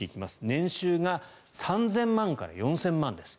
年収が３０００万から４０００万です。